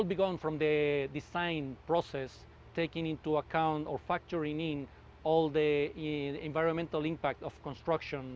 semuanya mulai dari proses desain mengambil perhatian atau membuat perhatian tentang kesempatan lingkungan